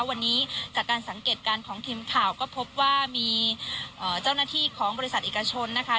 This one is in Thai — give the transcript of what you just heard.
วันนี้จากการสังเกตการณ์ของทีมข่าวก็พบว่ามีเจ้าหน้าที่ของบริษัทเอกชนนะคะ